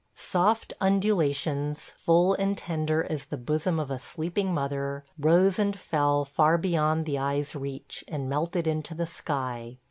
... Soft undulations, full and tender as the bosom of a sleeping mother, rose and fell far beyond the eye's reach, and melted into the sky.